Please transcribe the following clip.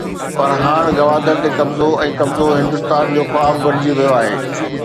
پر هاڻ گوادر تي قبضو ۽ قبضو هندستان جو خواب بڻجي ويو آهي.